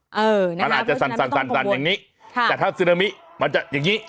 มันอาจจะสั่นอย่างนี้ค่ะแต่ถ้าซึนามิมันจะอย่างนี้